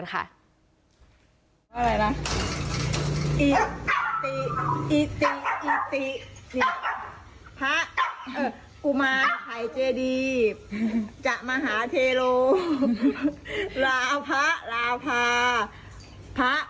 คือกาถาไอ้ไข่